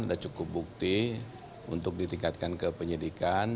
ada cukup bukti untuk ditingkatkan ke penyidikan